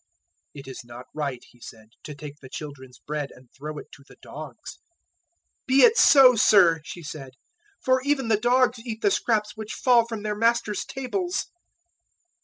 015:026 "It is not right," He said, "to take the children's bread and throw it to the dogs." 015:027 "Be it so, Sir," she said, "for even the dogs eat the scraps which fall from their masters' tables."